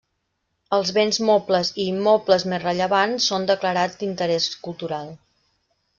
Els béns mobles i immobles més rellevants són declarats d'interès cultural.